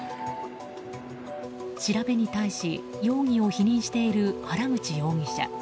調べに対し容疑を否認している原口容疑者。